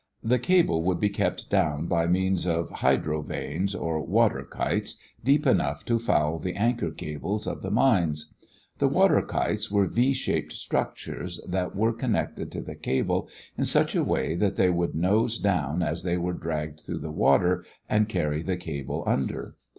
The cable would be kept down by means of hydrovanes or "water kites" deep enough to foul the anchor cables of the mines. The "water kites" were V shaped structures that were connected to the cable in such a way that they would nose down as they were dragged through the water and carry the cable under.